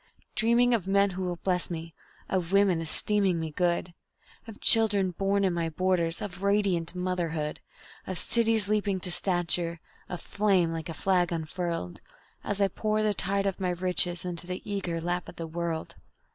Dreaming of men who will bless me, of women esteeming me good, Of children born in my borders of radiant motherhood, Of cities leaping to stature, of fame like a flag unfurled, As I pour the tide of my riches in the eager lap of the world."